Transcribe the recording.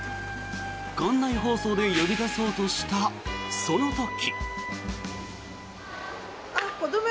館内放送で呼び出そうとしたその時。